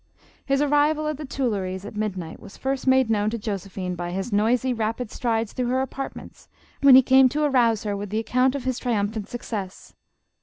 His arrival at the Tuilleries at mid night, was first made known to Josephine by his noisy, rapid strides through her apartments, when he came to arouse her with the account of his triumphant success.